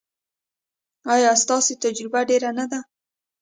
ایا ستاسو تجربه ډیره نه ده؟